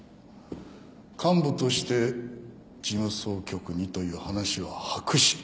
幹部として事務総局にという話は白紙。